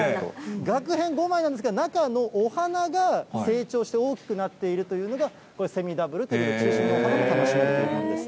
がく片５枚なんですけど、中のお花が成長して大きくなっているというのが、これ、セミダブルという、中心のお花も楽しめるということです。